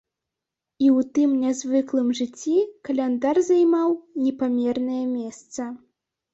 І ў тым нязвыклым жыцці каляндар займаў непамернае месца.